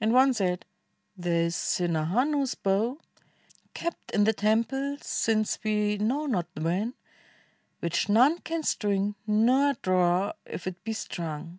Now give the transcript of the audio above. And one said, "There is Sinhahanu's bow. Kept in the temple since we know not when. Which none can string, nor draw if it be strung."